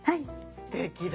すてきだわ。